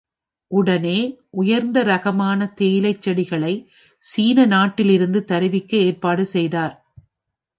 உடனே உயர்ந்த ரகமான தேயிலைச் செடிகளைச் சீன நாட்டிலிருந்து தருவிக்க ஏற்பாடு செய்தார்.